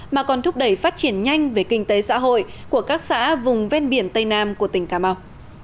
mà còn thúc đẩy phát triển nhanh về kinh tế xã hội của các xã vùng ven biển tây nam của tỉnh cà mau